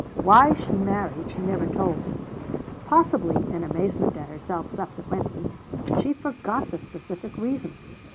Why she married, she never told. Possibly, in amazement at herself subsequently, she forgot the specific reason.